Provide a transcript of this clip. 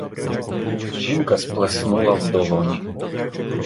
Жінка сплеснула в долоні.